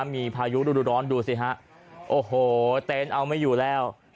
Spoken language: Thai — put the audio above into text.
มีพายุดูร้อนดูสิฮะโอ้โหเต็นต์เอาไม่อยู่แล้ว